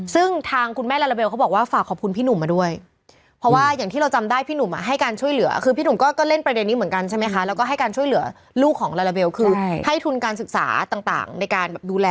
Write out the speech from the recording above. ซึ่งทางคุณแม่ลาลาเบลเขาบอกว่า